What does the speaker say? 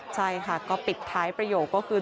ใช่ค่ะก็ปิดท้ายประโยคก็คือ